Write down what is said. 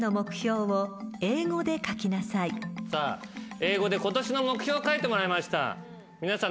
英語で今年の目標を書いてもらいました。